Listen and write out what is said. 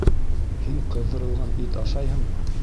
Һин ҡыҙҙырылған ит ашайһыңмы?